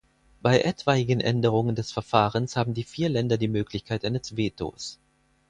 Bei etwaigen Änderungen des Verfahrens haben die vier Länder die Möglichkeit eines Vetos.